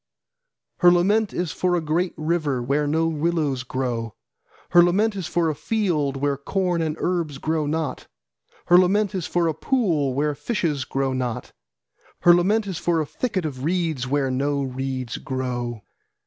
Her lament is for a great river, where no willows grow, Her lament is for a field, where corn and herbs grow not. Her lament is for a pool, where fishes grow not. Her lament is for a thickest of reeds, where no reeds grow.